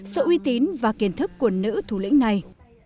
sự uy tín và kiến thức của nữ thủ lĩnh này